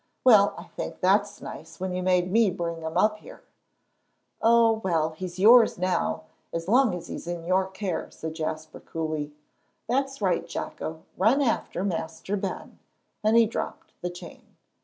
"Well, I think that's nice, when you made me bring him up here." "Oh, well, he's yours now, as long as he's in your care," said Jasper, coolly. "That's right, Jocko, run after Master Ben;" and he dropped the chain.